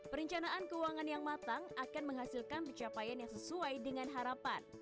perencanaan keuangan yang matang akan menghasilkan pencapaian yang sesuai dengan harapan